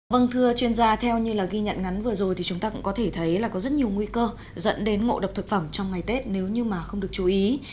vâng thưa chuyên gia theo như là ghi nhận ngắn vừa rồi thì chúng ta cũng có thể thấy là có rất nhiều nguy cơ dẫn đến ngộ độc thực phẩm trong ngày tết nếu như mà không được chú ý